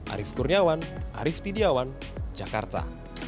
arief kurniawan arief tidiawan jakarta